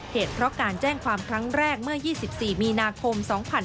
เหตุเพราะการแจ้งความครั้งแรกเมื่อ๒๔มีนาคม๒๕๕๙